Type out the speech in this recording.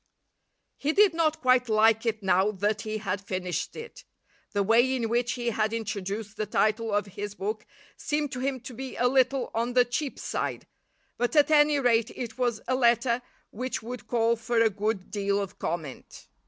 He did not quite like it now that he had finished it. The way in which he had introduced the title of his book seemed to him to be a little on the cheap side, but at any rate it was a letter which would call for a good deal of comment.